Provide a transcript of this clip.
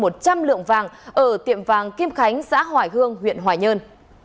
trăm lượng vàng ở tiệm vàng kim khánh xã hỏi hương huyện hỏi nhơn